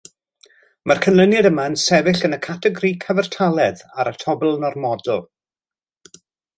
Mae'r canlyniad yma yn sefyll yn y categori cyfartaledd ar y tabl normadol